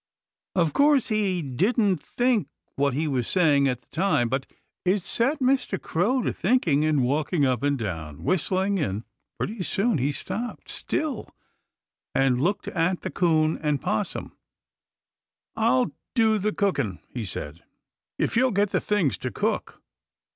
Of course he didn't think what he was saying at the time, but it set Mr. Crow to thinking and walking up and down, whistling, and pretty soon he stopped still and looked at the 'Coon and 'Possum. "I'll do the cookin'," he said, "if you'll get the things to cook."